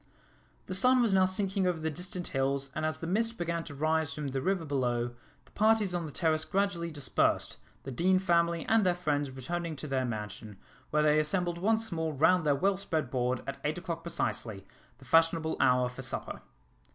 The sun was now sinking over the distant hills, and as the mist began to rise from the river below, the parties on the terrace gradually dispersed, the Deane family and their friends returning to their mansion, where they assembled once more round their well spread board, at eight o'clock precisely, the fashionable hour for supper.